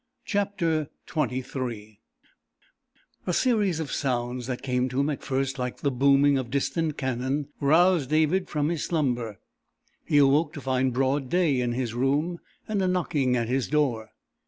CHAPTER XXIII A series of sounds that came to him at first like the booming of distant cannon roused David from his slumber. He awoke to find broad day in his room and a knocking at his door.